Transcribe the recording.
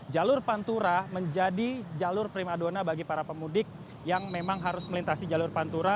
jalur pantura menjadi jalur primadona bagi para pemudik yang memang harus melintasi jalur pantura